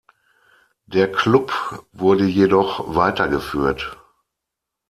Der Club wurde jedoch weitergeführt.